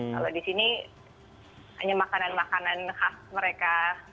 kalau di sini hanya makanan makanan khas mereka